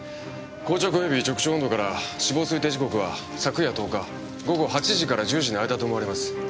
硬直及び直腸温度から死亡推定時刻は昨夜１０日午後８時から１０時の間と思われます。